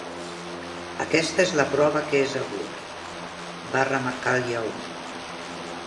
"Aquesta és la prova que és agut", va remarcar el lleó.